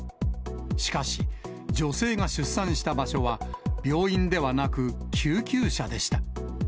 しかし、女性が出産した場所は、病院ではなく救急車でした。